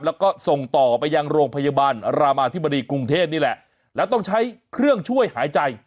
แล้วก็ส่งต่อไปยังโรงพยาบาลรามาธิบดีกรุงเทพนี่แหละแล้วต้องใช้เครื่องช่วยหายใจ